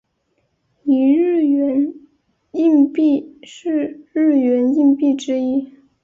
一日圆硬币是日圆硬币之一。